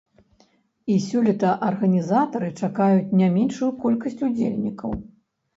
І сёлета арганізатары чакаюць не меншую колькасць удзельнікаў.